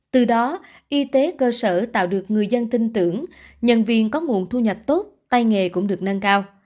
từ đó y tế cơ sở tạo được người dân tin tưởng nhân viên có nguồn thu nhập tốt tay nghề cũng được nâng cao